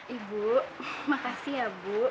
ibu makasih ya bu